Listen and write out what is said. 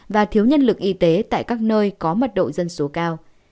và thiếu nhân lực y tế tại các nơi có mật độ dân số cao